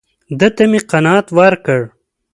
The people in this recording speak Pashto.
ده ته مې قناعت ورکړ.